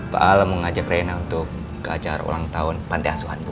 pak al mau ngajak rena untuk ke acara ulang tahun pantai asuhan bu